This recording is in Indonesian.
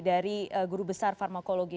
dari guru besar farmakologi